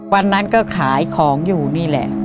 วันนั้นก็ขายของอยู่นี่แหละ